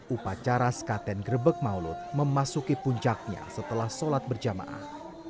upacara sekaten grebek maulud memasuki puncaknya setelah sholat berjamaah